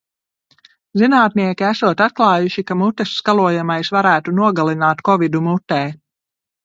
Zinātnieki esot atklājuši, ka mutes skalojamais varētu nogalināt Kovidu mutē.